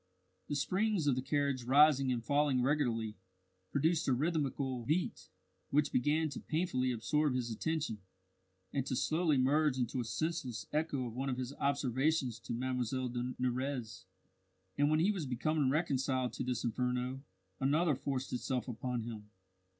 The springs of the carriage rising and falling regularly, produced a rhythmical beat, which began to painfully absorb his attention, and to slowly merge into a senseless echo of one of his observations to Mlle de Nurrez. And when he was becoming reconciled to this inferno, another forced itself upon him.